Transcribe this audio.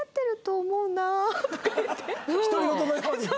独り言のように。